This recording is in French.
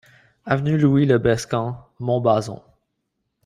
Avenue Louis le Bescam, Montbazon